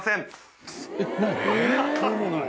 ┐ない？